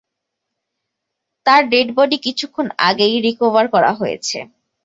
তার ডেডবডি কিছুক্ষণ আগেই রিকভার করা হয়েছে।